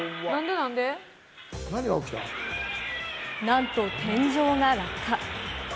なんと天井が落下。